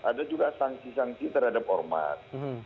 ada juga sanksi sanksi terhadap ormas